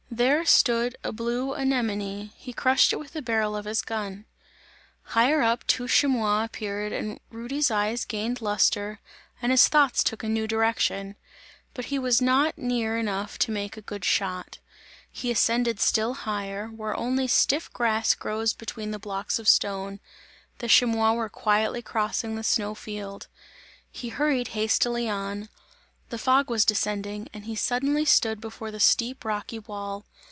There stood a blue anemone, he crushed it with the barrel of his gun. Higher up two chamois appeared and Rudy's eyes gained lustre and his thoughts took a new direction; but he was not near enough to make a good shot; he ascended still higher, where only stiff grass grows between the blocks of stone; the chamois were quietly crossing the snow field; he hurried hastily on; the fog was descending and he suddenly stood before the steep rocky wall.